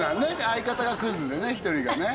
相方がクズでね１人がね